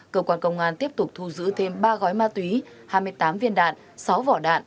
cơ quan công an tiếp tục thu giữ thêm ba gói ma túy hai mươi tám viên đạn sáu vỏ đạn